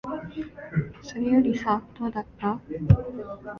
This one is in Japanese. それよりさ、どうだった？